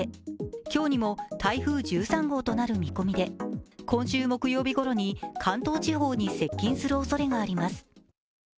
今日にも台風１３号となる見込みで、今週木曜日ごろに関東地方に接近するおそれがあります。